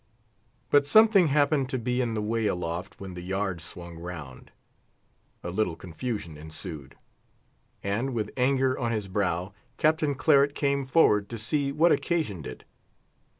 But something happened to be in the way aloft when the yards swung round; a little confusion ensued; and, with anger on his brow, Captain Claret came forward to see what occasioned it.